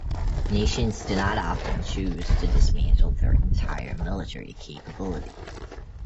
Nations do not often choose to dismantle their entire military capability.